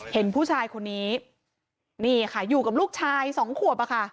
เห็นผู้ชายคนนี้นี่ค่ะอยู่กับลูกชายสองขวบอะค่ะ